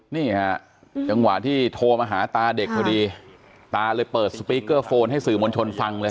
นี่ฮะจังหวะที่โทรมาหาตาเด็กพอดีตาเลยเปิดสปีกเกอร์โฟนให้สื่อมวลชนฟังเลย